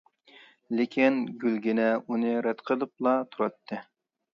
لېكىن گۈلگىنە ئۇنى رەت قىلىپلا تۇراتتى.